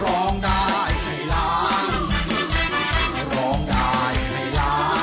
โอเคไม่รอ